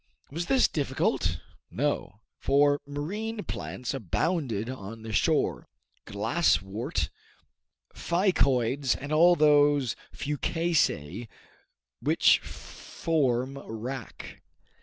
Was this difficult? No; for marine plants abounded on the shore, glass wort, ficoides, and all those fucaceae which form wrack.